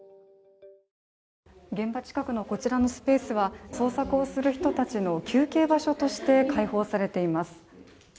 現場近くのこちらのスペースは捜索をする人たちの休憩場所として開放されています。